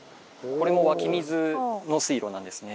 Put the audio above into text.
これも湧き水の水路なんですね。